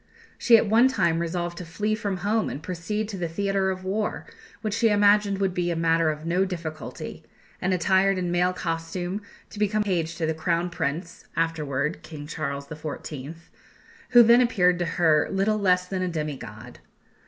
She at one time resolved to flee from home and proceed to the theatre of war, which she imagined would be a matter of no difficulty, and, attired in male costume, to become page to the Crown Prince (afterwards King Charles XIV.), who then appeared to her little less than a demi god.